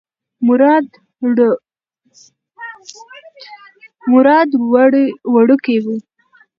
مراد وړوکی و.